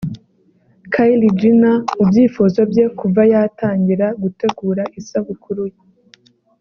Kylie Jenner mu byifuzo bye kuva yatangira gutegura isabukuru ye